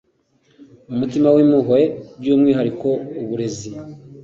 umutima w’impuhwe by’umwihariko uburezi